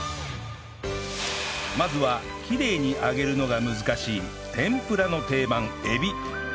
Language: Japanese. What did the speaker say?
まずはきれいに揚げるのが難しい天ぷらの定番海老